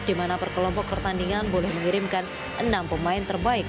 di mana perkelompok pertandingan boleh mengirimkan enam pemain terbaik